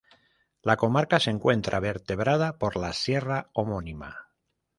La comarca se encuentra vertebrada por la sierra homónima.